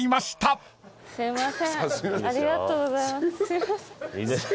ありがとうございます。